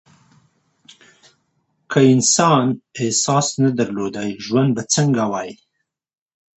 که انسان احساس نه درلودای ژوند به څنګه وای